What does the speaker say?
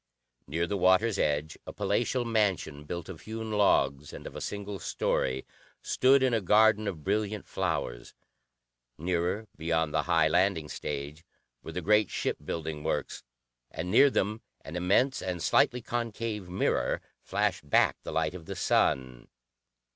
Near the water's edge a palatial mansion, built of hewn logs and of a single story, stood in a garden of brilliant flowers. Nearer, beyond the high landing stage, were the great shipbuilding works, and near them an immense and slightly concave mirror flashed back the light of the sun.